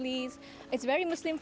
ini sangat berkawan muslim